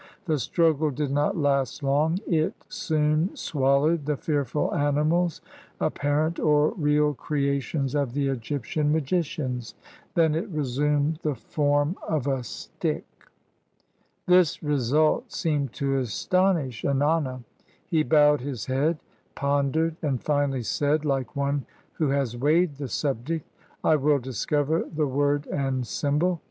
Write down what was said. The struggle did not last long; it soon swallowed the fearful animals, appar ent or real creations of the Egyptian magicians; then it resumed the form of a stick. This result seemed to astonish Ennana. He bowed his head, pondered, and finally said, like one who has weighed the subject, — "I will discover the word and symbol.